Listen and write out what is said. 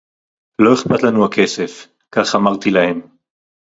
לֹא אִכְפַּת לָנוּ הַכֶּסֶף…כָּךְ אָמַרְתִי לָהֶם.